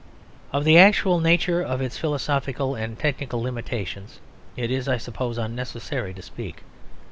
Of the actual nature of its philosophical and technical limitations it is, I suppose, unnecessary to speak.